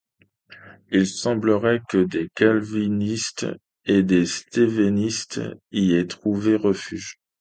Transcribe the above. Il semblerait que des calvinistes et des stevenistes y aient trouvé refuge.